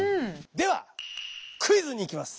ではクイズにいきます。